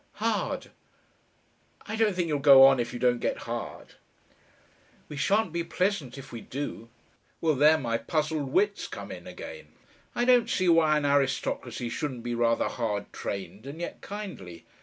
"Hard." "I don't think you'll go on if you don't get hard." "We shan't be so pleasant if we do." "Well, there my puzzled wits come in again. I don't see why an aristocracy shouldn't be rather hard trained, and yet kindly.